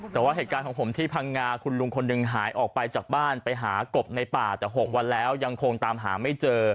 แต่ว่าเหตุการณ์ของผมที่พังงาคุณลุงคนหนึ่งหายออกไปจากบ้านไปหากบในป่าแต่๖วันแล้วยังคงตามหาไม่เจอ